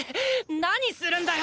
何するんだよ